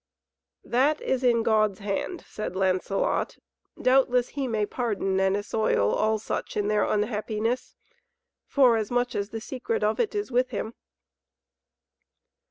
"That is in God's hand," said Lancelot. "Doubtless he may pardon and assoil all such in their unhappiness, forasmuch as the secret of it is with him."